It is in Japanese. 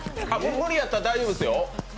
無理やったら大丈夫ですよ。